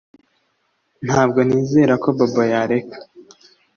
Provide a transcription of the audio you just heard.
Ntabwo nizera ko Bobo yareka